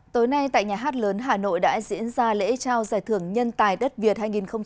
tối nay tại nhà hát lớn hà nội đã diễn ra lễ trao giải thưởng nhân tài đất việt hai nghìn hai mươi